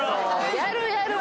やるやる！